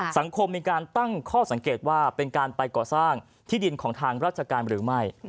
สังคมมีการตั้งข้อสังเกตว่าเป็นการไปก่อสร้างที่ดินของทางราชการหรือไม่